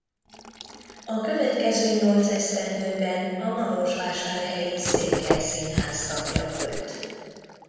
A következő nyolc esztendőben a marosvásárhelyi Székely Színház tagja volt.